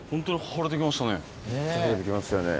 晴れてきましたよね。